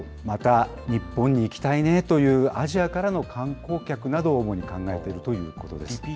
また日本に行きたいねという、アジアからの観光客などを、主に考えているということです。